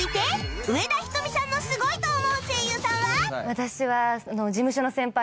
私は。